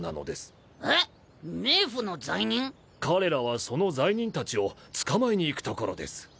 彼らはその罪人たちを捕まえに行くところです。